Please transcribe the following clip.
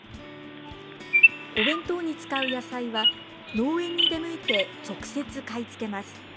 お弁当に使う野菜は農園に出向いて直接買い付けます。